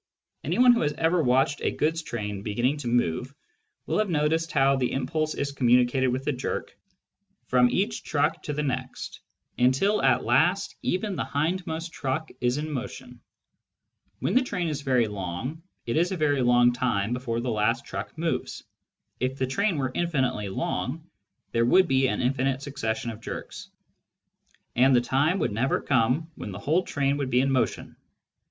Anyone who has ever 1 Science and Method, chap. iv. 28 Introduction to Mathematical Philosophy watched a goods train beginning to move will have noticed how the impulse is communicated with a jerk from each truck to the next, until at last even the hindmost truck is in motion. When the train is very long, it is a very long time before the last truck moves. If the train were infinitely long, there would be an infinite succession of jerks, and the time would never come when the whole train would be in motion.